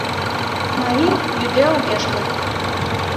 Марий йӱде огеш керт!